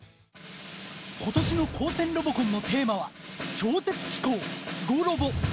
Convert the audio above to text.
今年の高専ロボコンのテーマは「超絶機巧すごロボ」！